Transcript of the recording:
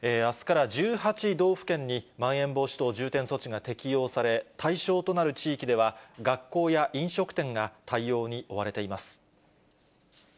あすから１８道府県に、まん延防止等重点措置が適用され、対象となる地域では、学校や飲食店が対応に追われています。